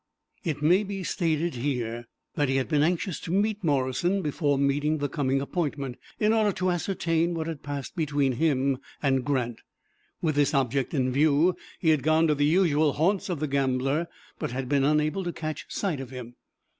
It may be stated here that he had been anxious to meet Morrison before meeting the coming appointment, in order to ascertain what had passed between him and Grant. With this object in view, he had gone to the usual haunts of the gambler, but had been unable to catch sight of him.